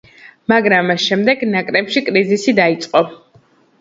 მაგრამ მას შემდეგ ნაკრებში კრიზისი დაიწყო.